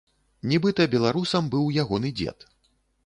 Нібыта беларусам быў ягоны дзед.